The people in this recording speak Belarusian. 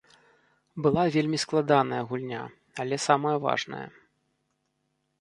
Была вельмі складаная гульня, але самая важная.